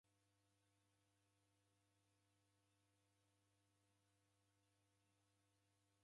Iro serikali iw'i rajie malagho gha sere.